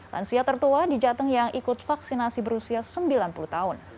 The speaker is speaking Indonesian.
lansia tertua di jateng yang ikut vaksinasi berusia sembilan puluh tahun